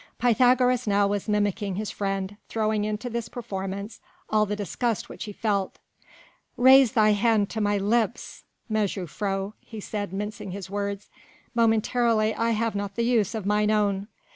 Pythagoras now was mimicking his friend, throwing into this performance all the disgust which he felt. "Raise thy hand to my lips, mejuffrouw," he said mincing his words, "momentarily I have not the use of mine own."